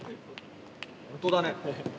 本当だね。